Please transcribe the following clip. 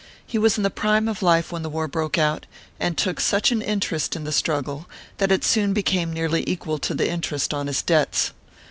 He was in the prime of life when the war broke out, and took such an interest in the struggle that it soon became nearly equal to the interest on his debts.